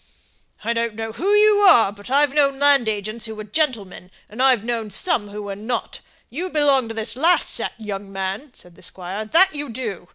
"I don't know who you are, but I've known land agents who were gentlemen, and I've known some who were not. You belong to this last set, young man," said the squire, "that you do.